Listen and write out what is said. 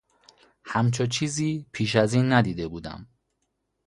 همچو چیزی پبش از این ندیده بودم